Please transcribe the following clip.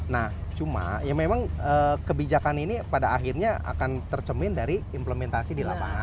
nah cuma ya memang kebijakan ini pada akhirnya akan tercemin dari implementasi di lapangan